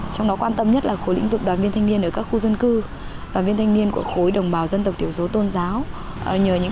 trong đó quan tâm nhất là khối lĩnh vực đoàn viên thanh niên ở các khu dân cư đoàn viên thanh niên của khối đồng bào dân tộc thiểu số tôn giáo